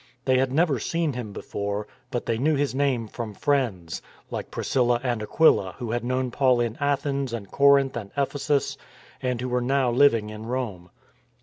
They had never seen him before, but they knew hi? name from friends — like Priscilla and Aquila who had known Paul in Athens and Corinth and Ephesus, and who now were living in Rome.